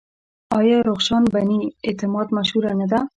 آیا رخشان بني اعتماد مشهوره نه ده؟